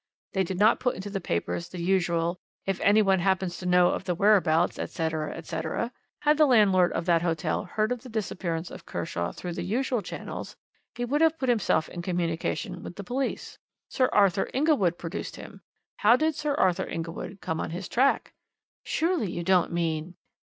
They did not put into the papers the usual: 'If anyone happens to know of the whereabouts, etc. etc'. Had the landlord of that hotel heard of the disappearance of Kershaw through the usual channels, he would have put himself in communication with the police. Sir Arthur Inglewood produced him. How did Sir Arthur Inglewood come on his track?" "Surely, you don't mean?"